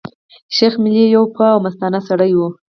شېخ ملي يو پوه او مستانه سړی وو.